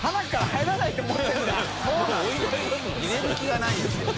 入れる気がないですよね。